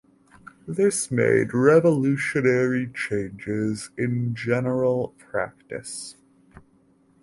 This made revolutionary changes in general practice.